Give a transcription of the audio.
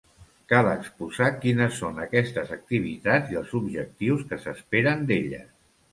Cal exposar quines són aquestes activitats i els objectius que s'esperen d'elles.